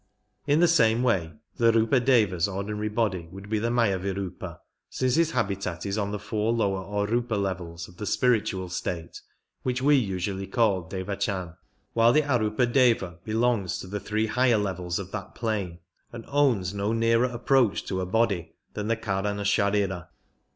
In the same way the Rfipadeva's ordinary body would be the Mayavirupa, since his habitat is on the four lower or rupa levels of that spiritual state which we usually call Devachan: while the Arupadeva belongs to the three higher levels of that plane, and owns no nearer approach to a body than the Karana Sharira.